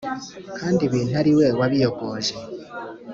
kandi ibintu ari we wabiyogoje!